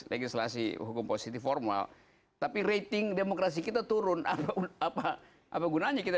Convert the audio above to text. legislasi hukum positif formal tapi rating demokrasi kita turun apa apa gunanya kita